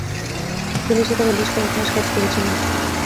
তিনি সেখানে বেশ কয়েক মাস কাজ করেছিলেন।